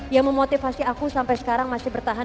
yang memotivasi aku sampai sekarang masih bertahan